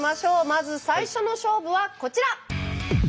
まず最初の勝負はこちら！